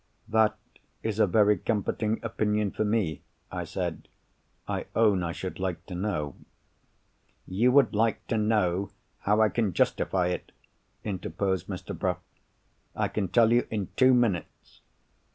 "That is a very comforting opinion for me," I said. "I own I should like to know——" "You would like to know how I can justify it," interposed Mr. Bruff. "I can tell you in two minutes.